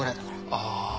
ああ。